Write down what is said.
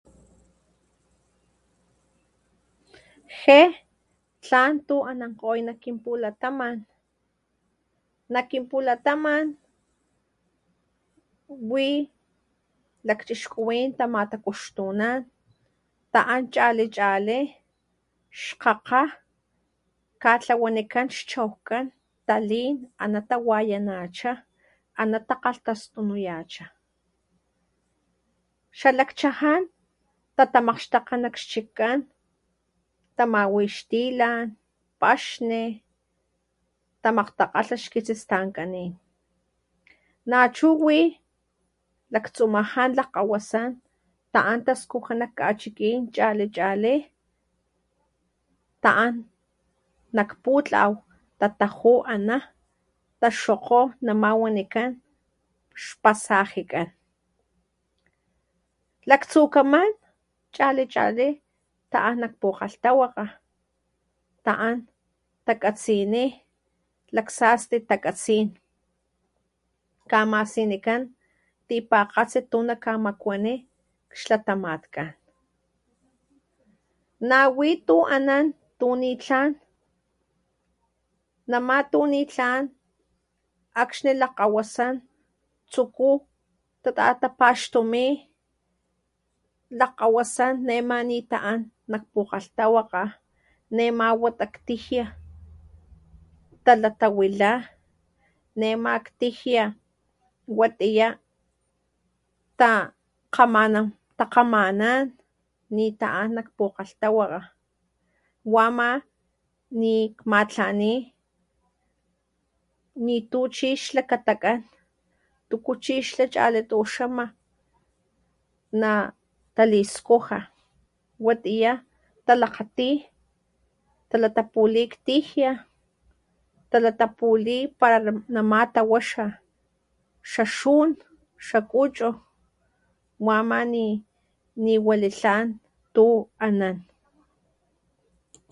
Jé tlan tu anankgoy la kinpulataman nak kinpulataman wi lakchixkuwín tamakgtapuxtunán ta'an chalí chalí xkgakgá katlawanikán xchokgán talí aná tawayanachá aná takalhtastunuyachá xalakchajá patamaxtakganakgxikán tamawi xtilan paxkni tamakgtalha axkgitsistankanín nachu wi laktsumajá lakgawasá ta'an taskujan nak kachikín chalí chalí ta'an nak putlaw tatajú aná takgxokgo namá wanikán xpasajikán laktsukamán chalí chalí ta'an nak pukgalhtawakga ta'an takatsiní lak saasti takatsí kamasinikán tipakgatsi tu nakamakwanín xlatamakga na wi tu anán tu nitlán namá tu nitlán akxni lakgawasán chukú tata tapaxtumí lakgawasán nema ni tla'an nak pukgalhtlawakga nema watak tijia tala tawilá ne maktijia watiyá ta kgamanan takgamanán ni ta'an lak pukgalhtawakga wa amá ni kmatlhani ni tu chixlakgatakgá tuku tuchix tachalí tu xama na taliskuja watiyá talakgati talatapulik tijia talatapuli para lam namá tawaxa xa xun xa kuchu wa mani ni wali tlan tu anán.